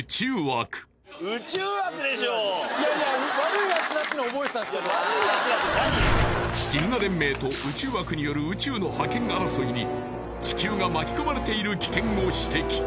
宇宙悪銀河連盟と宇宙悪による宇宙の覇権争いに地球が巻き込まれている危険を指摘！